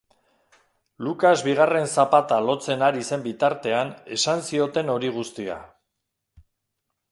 Lucas bigarren zapata lotzen ari zen bitartean esan zioten hori guztia.